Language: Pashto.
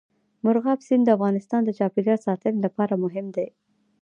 مورغاب سیند د افغانستان د چاپیریال ساتنې لپاره مهم دي.